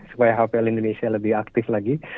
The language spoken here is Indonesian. supaya hpl indonesia lebih aktif lagi